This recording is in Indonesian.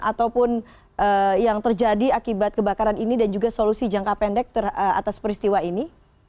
ataupun yang terjadi akibat kebakaran ini dan juga solusi jangka pendek atas peristiwa ini